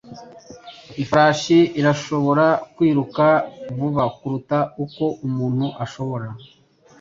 Ifarashi irashobora kwiruka vuba kuruta uko umuntu ashobora.